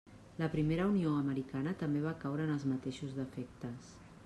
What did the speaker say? La primera Unió americana també va caure en els mateixos defectes.